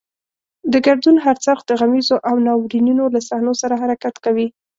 د ګردون هر څرخ د غمیزو او ناورینونو له صحنو سره حرکت کوي.